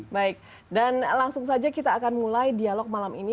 baik dan langsung saja kita akan mulai dialog malam ini